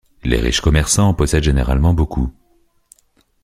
Les riches commerçants en possèdent généralement beaucoup.